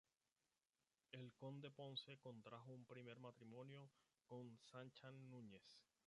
El conde Ponce contrajo un primer matrimonio con Sancha Núñez.